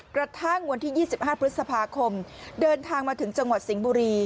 กระทั่งวันที่๒๕พฤษภาคมเดินทางมาถึงจังหวัดสิงห์บุรี